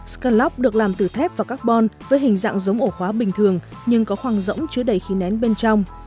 scanlock được làm từ thép và carbon với hình dạng giống ổ khóa bình thường nhưng có khoang rỗng chứa đầy khí nén bên trong